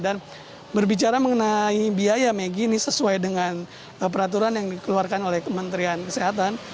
dan berbicara mengenai biaya ini sesuai dengan peraturan yang dikeluarkan oleh kementerian kesehatan